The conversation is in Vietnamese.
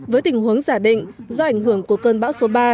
với tình huống giả định do ảnh hưởng của cơn bão số ba